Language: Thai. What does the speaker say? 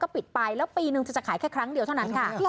พี่พี่มองส้ม